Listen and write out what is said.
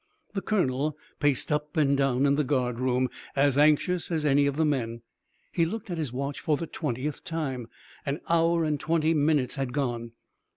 The colonel paced up and down in the guard room, as anxious as any of the men. He looked at his watch for the twentieth time. An hour and twenty minutes had gone.